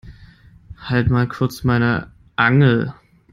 Halt mal kurz meine Angel.